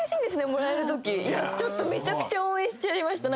もらえるときいやちょっとめちゃくちゃ応援しちゃいました